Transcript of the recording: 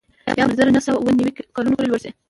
یا به تر زر نه سوه اووه نوي کلونو پورې لوړ شي